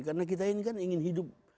karena kita ini kan ingin hidup